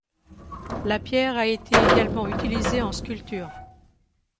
La pierre a été également utilisée en sculpture.